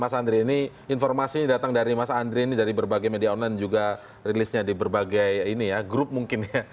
mas andri ini informasi ini datang dari mas andri ini dari berbagai media online juga rilisnya di berbagai ini ya grup mungkin ya